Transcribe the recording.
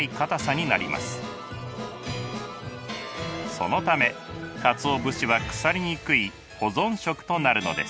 そのためかつお節は腐りにくい保存食となるのです。